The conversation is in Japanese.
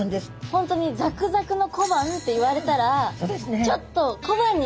本当にザクザクの小判って言われたらちょっと小判に見えます